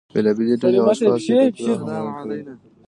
بیلابیلې ډلې او اشخاص یې تقویه او حمایه کړل